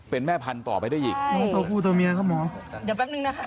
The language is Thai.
เป็นแม่พันธุ์ต่อไปได้อีกหมอตัวผู้ตัวเมียครับหมอเดี๋ยวแป๊บนึงนะคะ